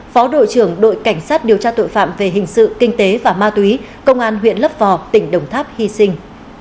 phó đội trưởng đội cảnh sát điều tra tội phạm về hình sự kinh tế và ma túy công an huyện lấp vò tỉnh đồng tháp hy sinh